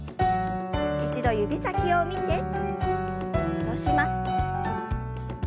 一度指先を見て戻します。